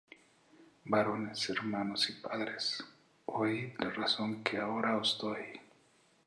Varones hermanos y padres, oid la razón que ahora os doy.